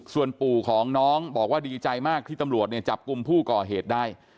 ส่วนปู่ของน้องบอกว่าดีใจมากที่ตำรวจเนี่ยจับกลุ่มผู้ก่อเหตุได้